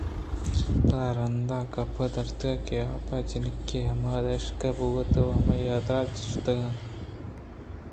پدا رندا گپ دراتک کہ آ پہ جنکے ءَ ہمودا عاشق بوتگ ءُہمائی ءِ حاترا شتگ اَت